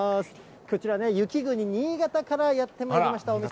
こちら、雪国、新潟からやってまいりましたお店。